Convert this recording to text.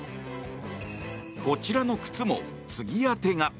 こちらの靴も継ぎ当てが。